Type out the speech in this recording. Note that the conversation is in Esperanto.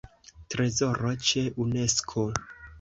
Trezoro ĉe Unesko.